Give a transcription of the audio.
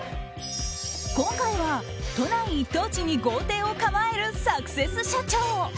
今回は都内一等地に豪邸を構えるサクセス社長。